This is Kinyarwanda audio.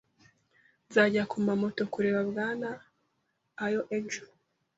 Nzajya Kumamoto kureba Bwana Aoi ejo